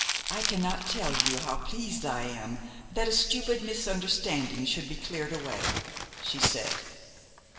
"I cannot tell you how pleased I am that a stupid misunderstanding should be cleared away!" she said.